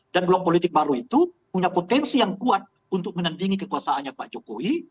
dan blok politik baru itu punya potensi yang kuat untuk menandingi kekuasaannya pak jokowi